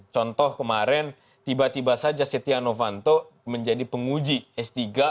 contoh kemarin tiba tiba saja setia novanto menjadi penguji s tiga